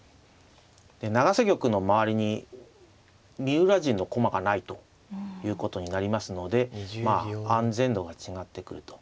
永瀬玉の周りに三浦陣の駒がないということになりますので安全度が違ってくると。